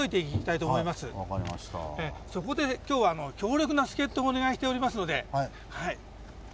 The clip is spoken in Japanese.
そこで今日は強力な助っ人をお願いしておりますので。